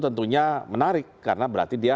tentunya menarik karena berarti dia